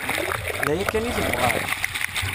D aya kan i tebɣam?